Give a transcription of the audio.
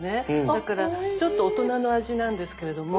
だからちょっと大人の味なんですけれども。